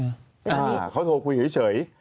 อ่าเขาโทรคุยเฉย